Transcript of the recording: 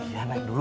ya naik dulu